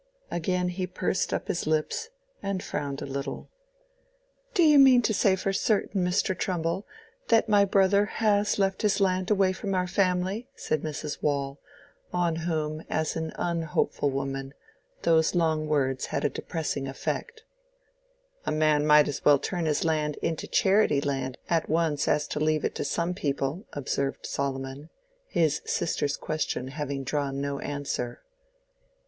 Again he pursed up his lips and frowned a little. "Do you mean to say for certain, Mr. Trumbull, that my brother has left his land away from our family?" said Mrs. Waule, on whom, as an unhopeful woman, those long words had a depressing effect. "A man might as well turn his land into charity land at once as leave it to some people," observed Solomon, his sister's question having drawn no answer.